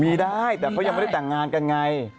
มีได้แต่เขายังไม่ได้แต่งงานกันไง